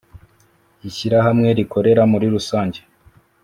Ishyirahamwe rikorera muri rusange.